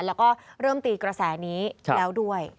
แล้วก็เริ่มตีกระแสนี้แล้วด้วย